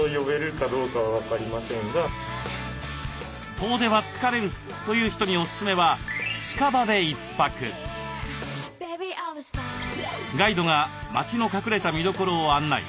遠出は疲れるという人におすすめはガイドが街の隠れた見どころを案内。